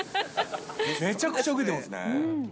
めちゃくちゃウケてますね。